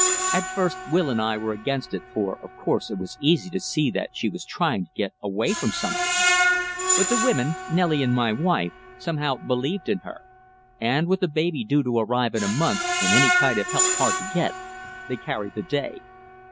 At first, Will and I were against it for, of course, it was easy to see that she was trying to get away from something. But the women Nelly and my wife somehow, believed in her, and with the baby due to arrive in a month and any kind of help hard to get they carried the day.